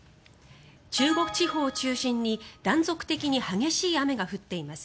中国地方を中心に断続的に激しい雨が降っています。